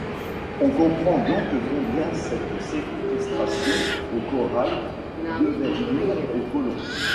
On comprend donc combien cette séquestration au corral devait nuire aux colons.